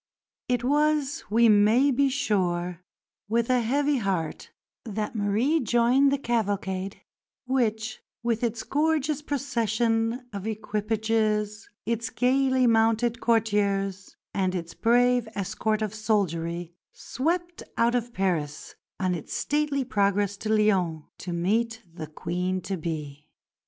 It was, we may be sure, with a heavy heart that Marie joined the cavalcade which, with its gorgeous procession of equipages, its gaily mounted courtiers, and its brave escort of soldiery, swept out of Paris on its stately progress to Lyons, to meet the Queen to be.